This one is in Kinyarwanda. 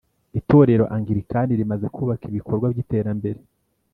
Itorero Anglikani rimaze kubaka ibikorwa by’iterambere